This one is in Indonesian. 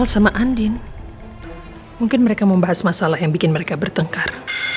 sama andin mungkin mereka membahas masalah yang bikin mereka bertengkar